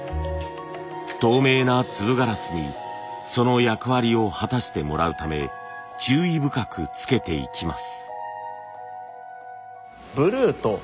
透明な粒ガラスにその役割を果たしてもらうため注意深くつけていきます。